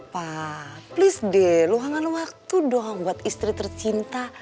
pak please deh luangan waktu dong buat istri tercinta